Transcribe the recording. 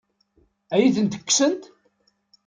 Ad iyi-tent-kksent?